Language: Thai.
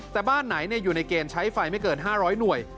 แต่บ้านไหนอยู่ในเกณฑ์ใช้ไฟไม่เกิน๕๐๐หน่วย